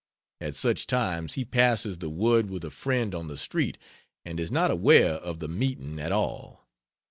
At such times, he passes the word with a friend on the street and is not aware of the meeting at all.